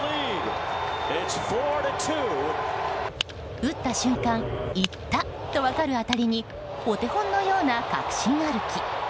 打った瞬間行った！と分かる当たりにお手本のような確信歩き。